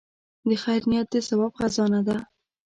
د خیر نیت د ثواب خزانه ده.